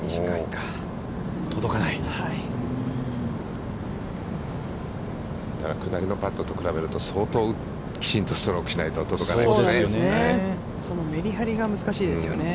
だから下りのパットと比べると、相当きちんとストロークしないと届かないですよね。